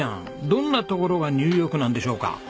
どんなところがニューヨークなんでしょうか？